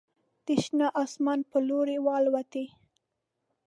د شنه اسمان په لوري والوتې